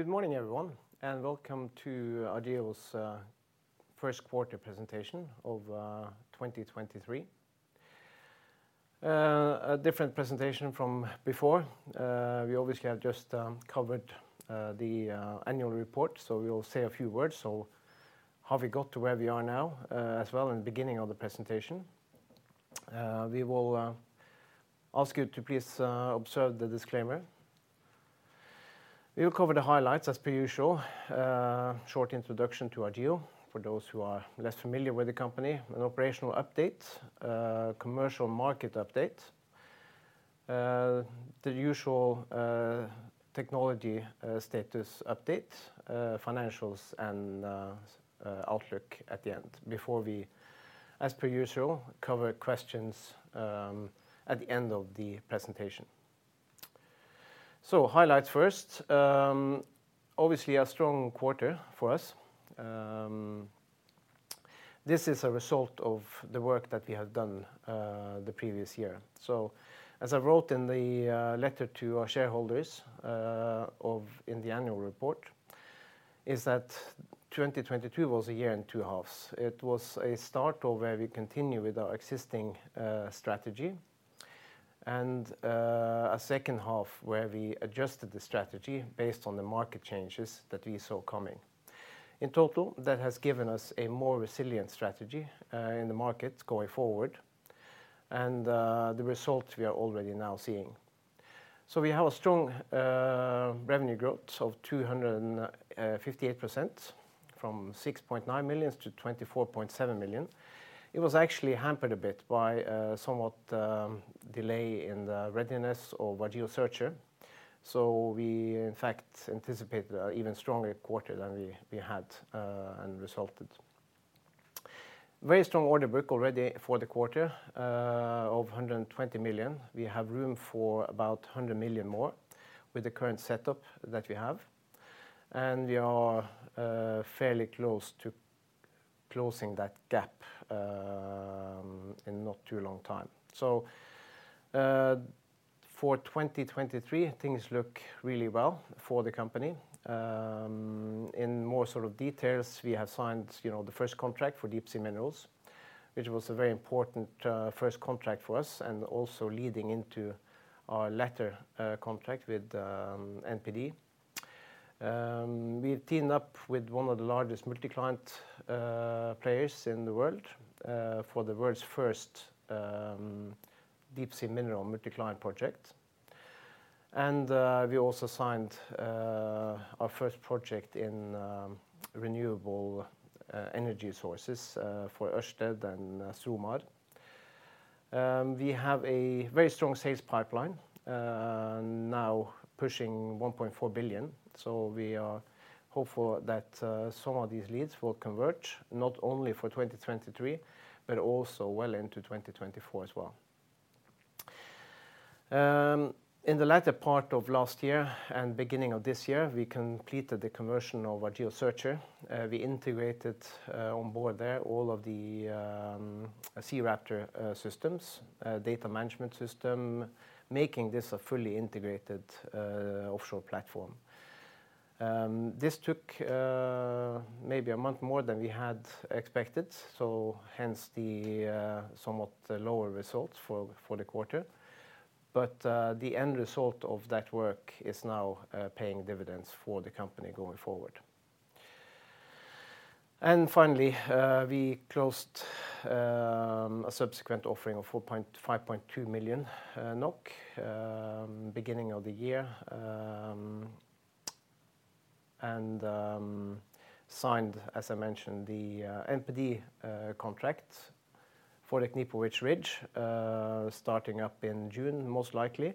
Good morning everyone, welcome to Argeo's first quarter presentation of 2023. A different presentation from before. We obviously have just covered the annual report, so we will say a few words on how we got to where we are now as well in the beginning of the presentation. We will ask you to please observe the disclaimer. We will cover the highlights as per usual. Short introduction to Argeo for those who are less familiar with the company. An operational update, commercial market update, the usual technology status update, financials and outlook at the end before we, as per usual, cover questions at the end of the presentation. Highlights first. Obviously a strong quarter for us. This is a result of the work that we have done, the previous year. As I wrote in the letter to our shareholders in the annual report, is that 2022 was a year and two halves. It was a start of where we continue with our existing strategy and a second half where we adjusted the strategy based on the market changes that we saw coming. In total, that has given us a more resilient strategy in the market going forward and the results we are already now seeing. We have a strong revenue growth of 258% from 6.9 million to 24.7 million. It was actually hampered a bit by somewhat delay in the readiness of our Argeo Searcher. We in fact anticipated a even stronger quarter than we had and resulted. Very strong order book already for the quarter of 120 million. We have room for about 100 million more with the current setup that we have, and we are fairly close to closing that gap in not too long time. For 2023, things look really well for the company. In more sort of details, we have signed the first contract for Deep Sea Minerals, which was a very important first contract for us and also leading into our latter contract with NPD. We've teamed up with one of the largest multi-client players in the world for the world's first deep sea mineral multi-client project. We also signed our first project in renewable energy sources for Ørsted and Submar. We have a very strong sales pipeline, now pushing 1.4 billion. We are hopeful that some of these leads will convert not only for 2023, but also well into 2024 as well. In the latter part of last year and beginning of this year, we completed the conversion of our Argeo Searcher. We integrated on board there all of the SeaRaptor systems, data management system, making this a fully integrated offshore platform. This took maybe a month more than we had expected, hence the somewhat lower results for the quarter. The end result of that work is now paying dividends for the company going forward. Finally, we closed a subsequent offering of 5.2 million NOK beginning of the year. Signed, as I mentioned, the NPD contract for the Knipovich Ridge starting up in June, most likely,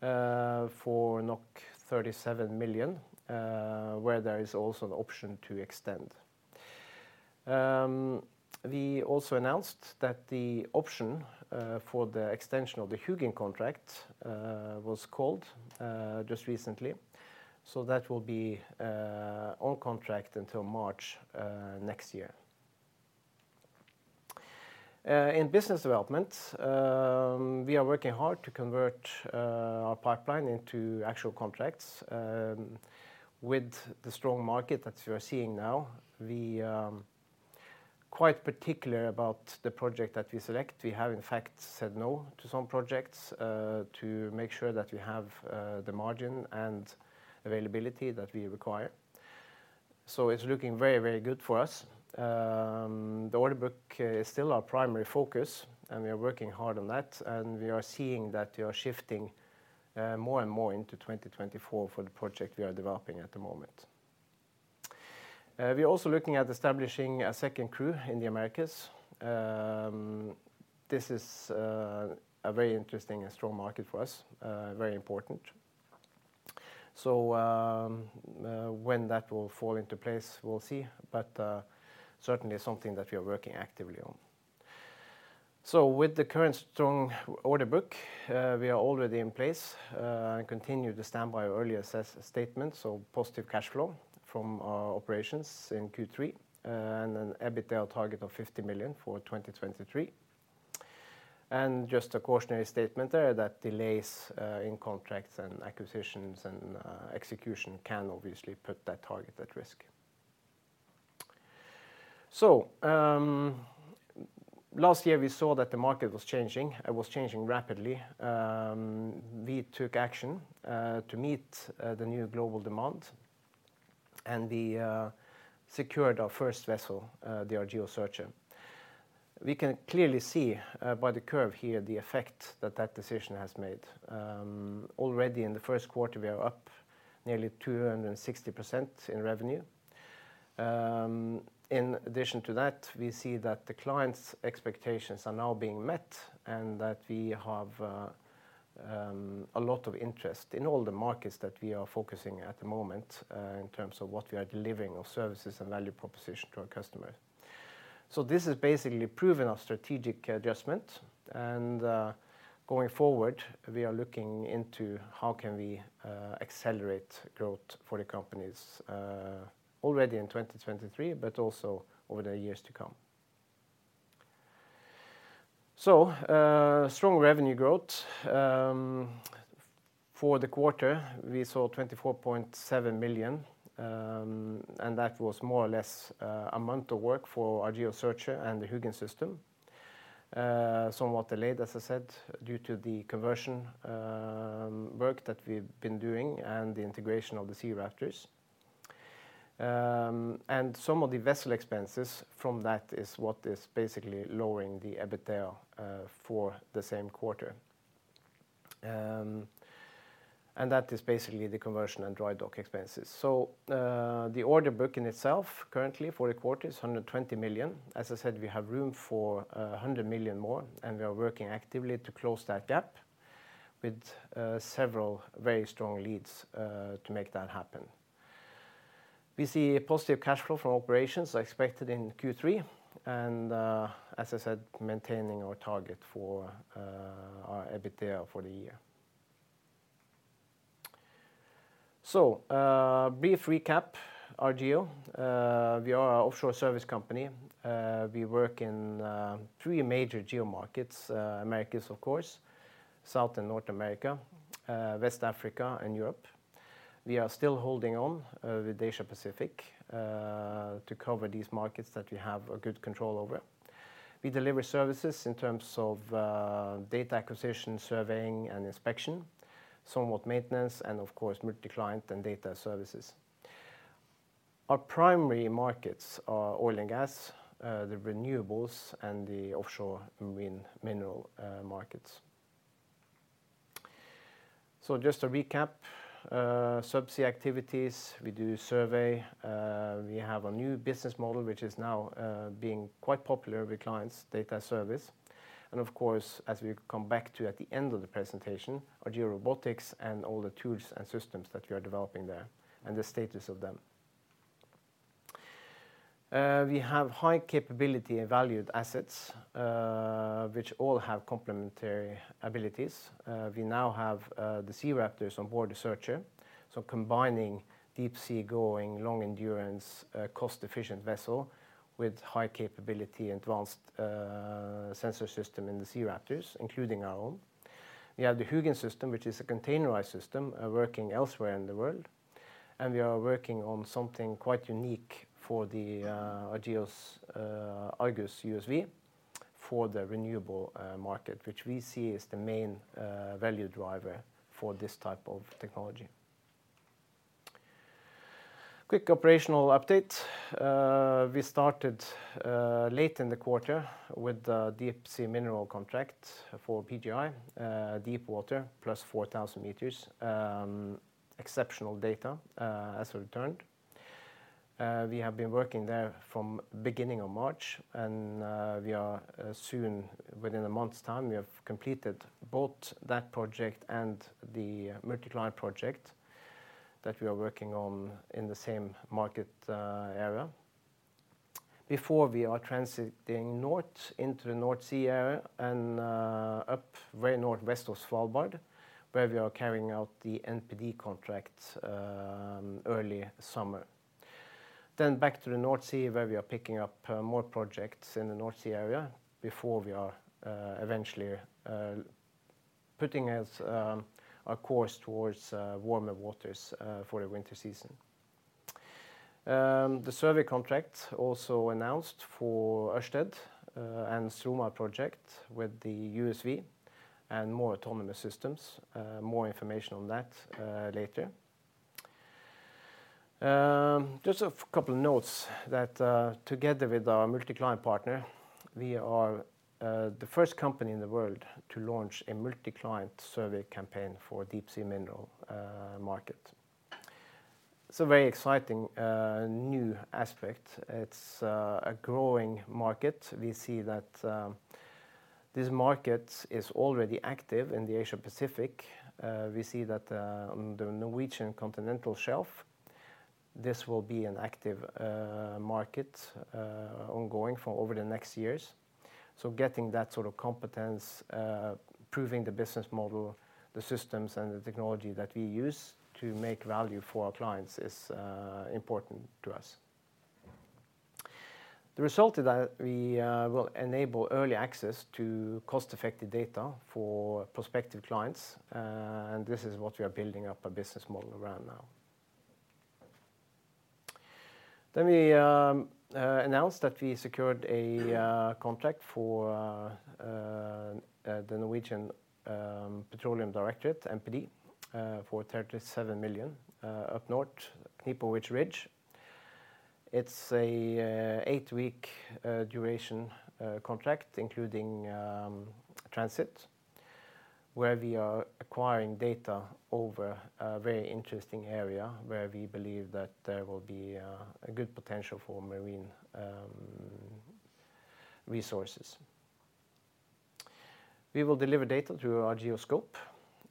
for 37 million, where there is also the option to extend. We also announced that the option for the extension of the Hugin contract was called just recently. That will be on contract until March next year. In business development, we are working hard to convert our pipeline into actual contracts. With the strong market that we are seeing now, we are quite particular about the project that we select. We have in fact said no to some projects to make sure that we have the margin and availability that we require. It's looking very, very good for us. The order book is still our primary focus, and we are working hard on that, and we are seeing that we are shifting more and more into 2024 for the project we are developing at the moment. We are also looking at establishing a second crew in the Americas. This is a very interesting and strong market for us, very important. When that will fall into place, we'll see, but certainly something that we are working actively on. With the current strong order book, we are already in place and continue to stand by our earlier assess statement. Positive cash flow from our operations in Q3 and an EBITDA target of 50 million for 2023. Just a cautionary statement there that delays in contracts and acquisitions and execution can obviously put that target at risk. Last year we saw that the market was changing, it was changing rapidly. We took action to meet the new global demand and we secured our first vessel, the Argeo Searcher. We can clearly see by the curve here the effect that that decision has made. Already in the first quarter, we are up nearly 260% in revenue. In addition to that, we see that the clients' expectations are now being met and that we have a lot of interest in all the markets that we are focusing at the moment, in terms of what we are delivering of services and value proposition to our customer. This has basically proven our strategic adjustment and going forward, we are looking into how can we accelerate growth for the companies already in 2023, but also over the years to come. Strong revenue growth. For the quarter, we saw 24.7 million, and that was more or less a month of work for our GeoSearcher and the Hugin system. Somewhat delayed, as I said, due to the conversion work that we've been doing and the integration of the SeaRaptors. Some of the vessel expenses from that is what is basically lowering the EBITDA for the same quarter. That is basically the conversion and dry dock expenses. The order book in itself currently for the quarter is 120 million. As I said, we have room for 100 million more, and we are working actively to close that gap with several very strong leads to make that happen. We see positive cash flow from operations expected in Q3, and as I said, maintaining our target for our EBITDA for the year. Brief recap, Argeo. We are a offshore service company. We work in three major geo markets, Americas of course, South and North America, West Africa and Europe. We are still holding on with Asia Pacific to cover these markets that we have a good control over. We deliver services in terms of data acquisition, surveying and inspection, somewhat maintenance and of course multi-client and data services. Our primary markets are oil and gas, the renewables and the offshore wind mineral markets. Just to recap, subsea activities, we do survey, we have a new business model which is now being quite popular with clients, data service. Of course, as we come back to at the end of the presentation, Argeo Robotics and all the tools and systems that we are developing there and the status of them. We have high capability and valued assets which all have complementary abilities. We now have the SeaRaptors on board the Searcher. Combining deep sea going, long endurance, cost efficient vessel with high capability advanced sensor system in the Sea Raptors, including our own. We have the Hugin system, which is a containerized system, working elsewhere in the world. We are working on something quite unique for the Argeo Argus USV for the renewable market, which we see as the main value driver for this type of technology. Quick operational update. We started late in the quarter with the deep sea minerals contract for PGI, deep water plus 4,000 meters, exceptional data as returned. We have been working there from beginning of March, and we are soon within a month's time, we have completed both that project and the multi-client project that we are working on in the same market area. Before we are transiting north into the North Sea area and up very northwest of Svalbard, where we are carrying out the NPD contract early summer. Back to the North Sea, where we are picking up more projects in the North Sea area before we are eventually putting us a course towards warmer waters for the winter season. The survey contract also announced for Ørsted and Submar project with the USV and more autonomous systems, more information on that later. Just a couple notes that together with our multi-client partner, we are the first company in the world to launch a multi-client survey campaign for deep sea mineral market. It's a very exciting new aspect. It's a growing market. We see that this market is already active in the Asia Pacific. We see that on the Norwegian continental shelf, this will be an active market ongoing for over the next years. Getting that sort of competence, proving the business model, the systems and the technology that we use to make value for our clients is important to us. The result is that we will enable early access to cost-effective data for prospective clients. This is what we are building up a business model around now. We announced that we secured a contract for the Norwegian Petroleum Directorate, NPD, for 37 million up north, Knipovich Ridge. It's a 8-week duration contract, including transit, where we are acquiring data over a very interesting area where we believe that there will be a good potential for marine resources. We will deliver data through our Geoscope,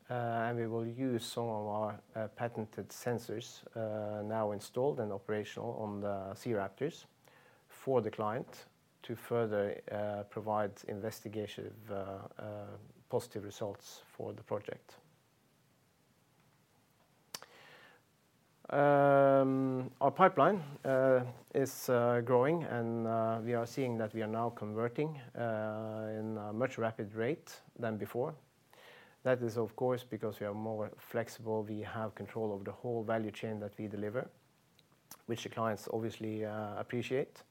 and we will use some of our patented sensors now installed and operational on the SeaRaptors for the client to further provide investigative positive results for the project. Our pipeline is growing, and we are seeing that we are now converting in a much rapid rate than before. That is, of course, because we are more flexible. We have control over the whole value chain that we deliver, which the clients obviously appreciate.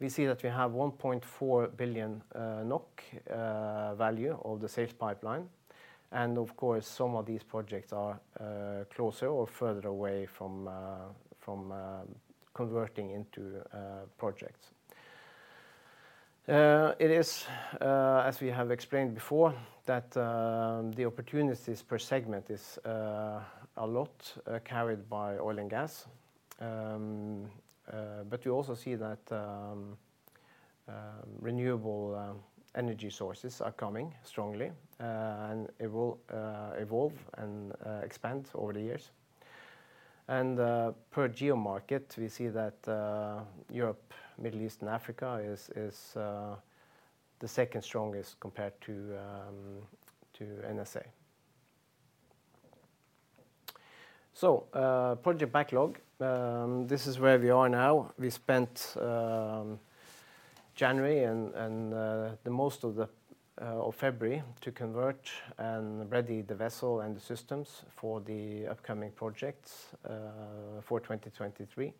We see that we have 1.4 billion NOK value of the safe pipeline. Of course, some of these projects are closer or further away from converting into projects. It is, as we have explained before, that the opportunities per segment is a lot carried by oil and gas. You also see that renewable energy sources are coming strongly, and it will evolve and expand over the years. Per geo market, we see that Europe, Middle East, and Africa is the second strongest compared to N&SA. Project backlog. This is where we are now. We spent January and the most of February to convert and ready the vessel and the systems for the upcoming projects for 2023.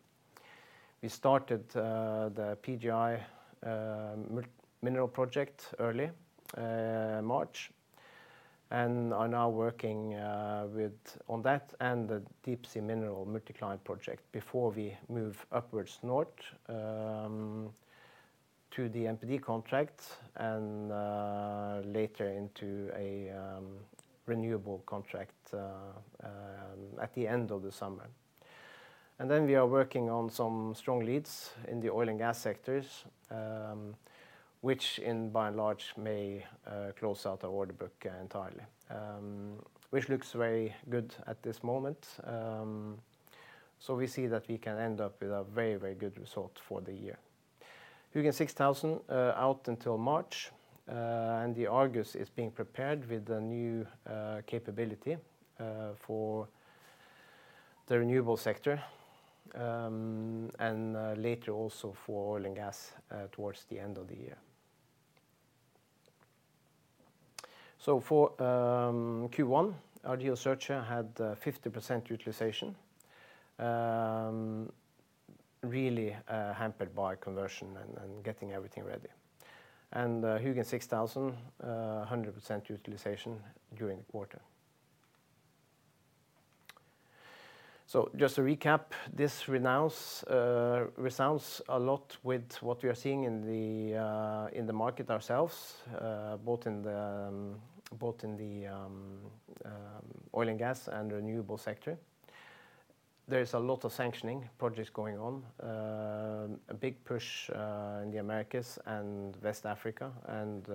We started the PGI mineral project early March and are now working on that and the deep sea mineral multi-client project before we move upwards north to the NPD contract and later into a renewable contract at the end of the summer. We are working on some strong leads in the oil and gas sectors, which in by and large may close out our order book entirely, which looks very good at this moment. We see that we can end up with a very, very good result for the year. Hugin 6000 out until March, and the Argus is being prepared with the new capability for the renewable sector, and later also for oil and gas towards the end of the year. For Q1, Argeo Searcher had 50% utilization, really hampered by conversion and getting everything ready. Hugin 6000, 100% utilization during the quarter. Just to recap, this renounce resounds a lot with what we are seeing in the market ourselves, both in the oil and gas and renewable sector. There is a lot of sanctioning projects going on, a big push in the Americas and West Africa and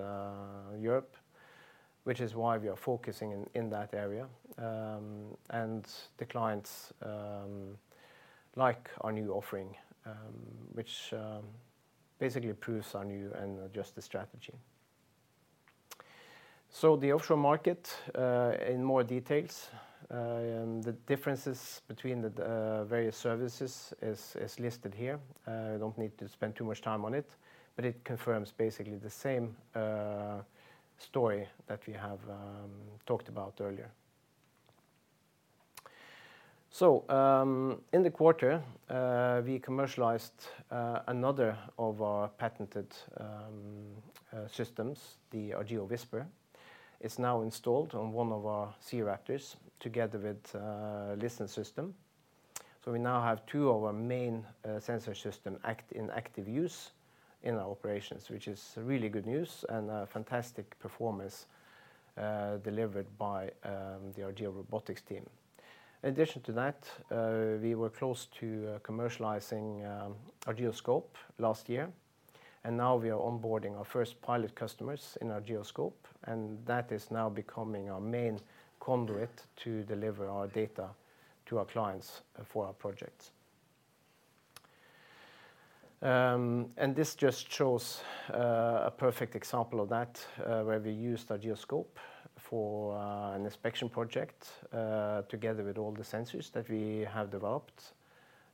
Europe, which is why we are focusing in that area. The clients like our new offering, which basically approves our new and adjusted strategy. The offshore market in more details, and the differences between the various services is listed here. I don't need to spend too much time on it, but it confirms basically the same story that we have talked about earlier. In the quarter, we commercialized another of our patented systems, the Argeo Whisper. It's now installed on one of our SeaRaptors together with Argeo Listen system. We now have two of our main sensor system act in active use in our operations, which is really good news and a fantastic performance delivered by the Argeo Robotics team. In addition to that, we were close to commercializing our Geoscope last year, and now we are onboarding our first pilot customers in our Geoscope, and that is now becoming our main conduit to deliver our data to our clients for our projects. This just shows a perfect example of that, where we used our GeoScope for an inspection project together with all the sensors that we have developed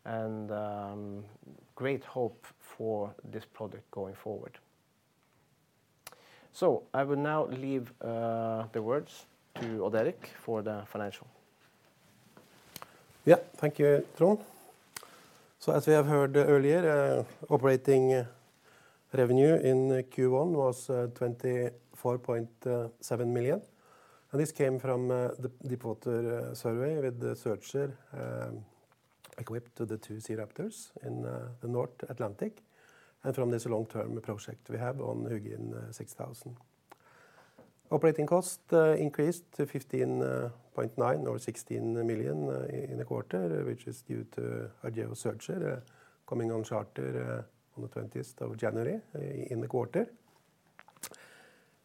and great hope for this project going forward. I will now leave the words to Odd Erik for the financial. Yeah. Thank you, Trond. As we have heard earlier, operating revenue in Q1 was 24.7 million, and this came from the deep water survey with the Argeo Searcher, equipped to the two SeaRaptors in the North Atlantic and from this long-term project we have on Hugin 6000. Operating cost increased to 15.9 over 16 million in the quarter, which is due to our Argeo Searcher coming on charter on the 20th of January in the quarter.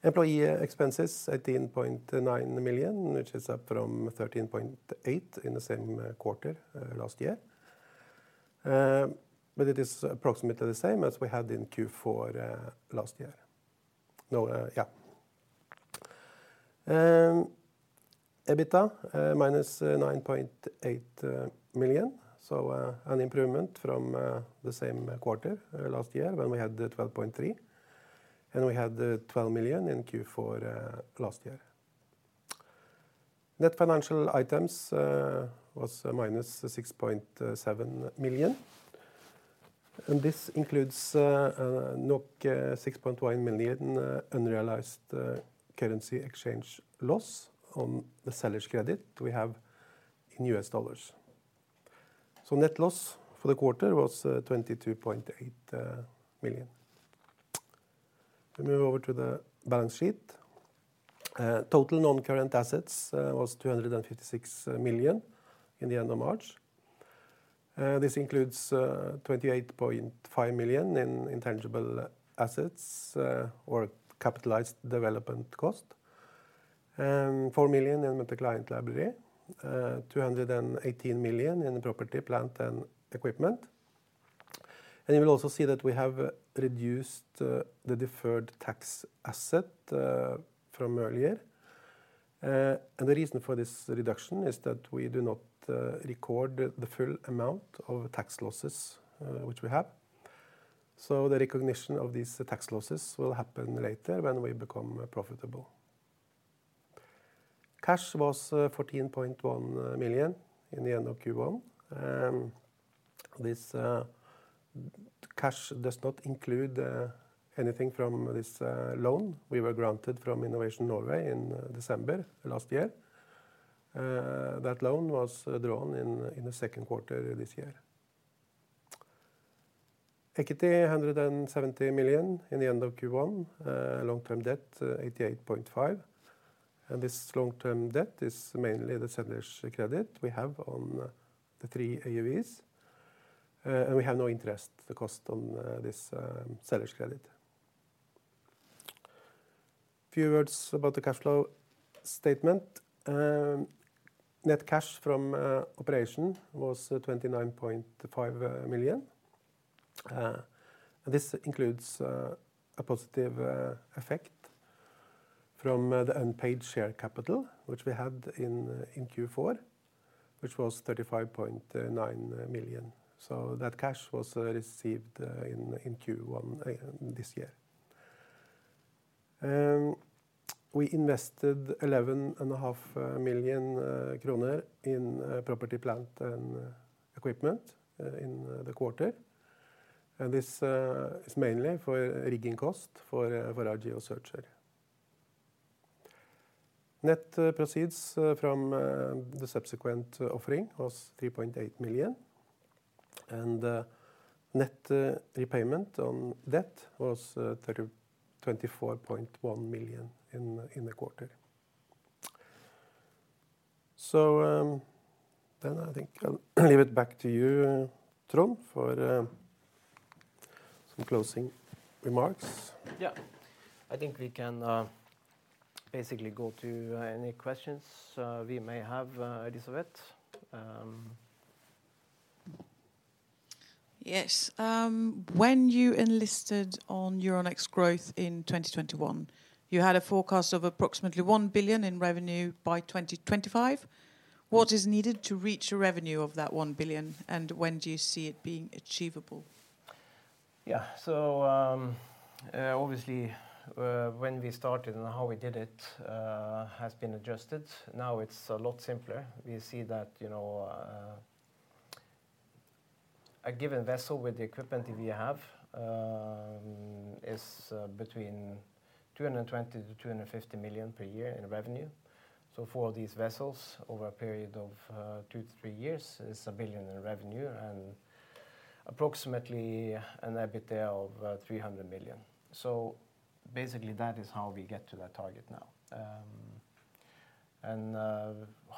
Employee expenses 18.9 million, which is up from 13.8 million in the same quarter last year. It is approximately the same as we had in Q4 last year. No. Yeah. EBITDA minus 9.8 million, an improvement from the same quarter last year when we had 12.3, and we had 12 million in Q4 last year. Net financial items was -6.7 million, and this includes 6.1 million unrealized currency exchange loss on the seller's credit we have in US dollars. Net loss for the quarter was 22.8 million. We move over to the balance sheet. Total non-current assets was 256 million in the end of March. This includes 28.5 million in intangible assets, or capitalized development cost, 4 million in the client library, 218 million in property, plant and equipment. You will also see that we have reduced the deferred tax asset from earlier. The reason for this reduction is that we do not record the full amount of tax losses which we have. The recognition of these tax losses will happen later when we become profitable. Cash was 14.1 million in the end of Q1. This cash does not include anything from this loan we were granted from Innovation Norway in December last year. That loan was drawn in the second quarter this year. Equity, 170 million in the end of Q1. Long-term debt, 88.5. This long-term debt is mainly the seller's credit we have on the three AUEs. We have no interest, the cost on a seller's credit. A few words about the cash flow statement. Net cash from operation was 29.5 million. This includes a positive effect from the unpaid share capital which we had in Q4, which was 35.9 million. So that cash was received in Q1 this year. We invested 11.5 million kroner in property, plant and equipment in the quarter. This is mainly for rigging cost for our Argeo Searcher. Net proceeds from the subsequent offering was 3.8 million, and net repayment on debt was 24.1 million in the quarter. I think I'll leave it back to you, Trond, for some closing remarks. Yeah. I think we can, basically go to, any questions, we may have, Elisabeth. Yes. When you enlisted on Euronext Growth in 2021, you had a forecast of approximately 1 billion in revenue by 2025. What is needed to reach a revenue of that 1 billion, and when do you see it being achievable? Yeah. Obviously, when we started and how we did it, has been adjusted. Now it's a lot simpler. We see that, you know, a given vessel with the equipment we have, is between $220 million-$250 million per year in revenue. For these vessels, over a period of 2-3 years is $1 billion in revenue and approximately an EBITDA of $300 million. Basically that is how we get to that target now.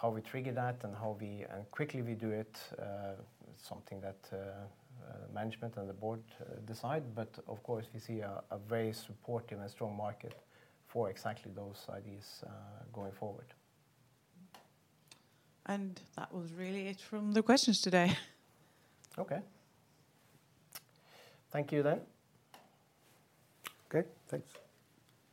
How we trigger that and quickly we do it is something that management and the board decide. Of course, we see a very supportive and strong market for exactly those ideas, going forward. That was really it from the questions today. Okay. Thank you then. Okay. Thanks.